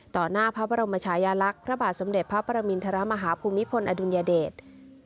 หน้าพระบรมชายาลักษณ์พระบาทสมเด็จพระปรมินทรมาฮาภูมิพลอดุลยเดช